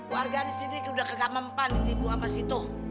warga disini udah kagak mempan ditipu sama situ